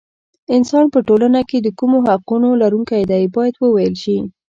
انسان په ټولنه کې د کومو حقونو لرونکی دی باید وویل شي.